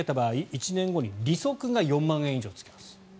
１年後に利息が４万円以上つきます。